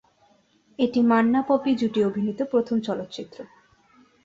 এটি "মান্না-পপি" জুটি অভিনীত প্রথম চলচ্চিত্র।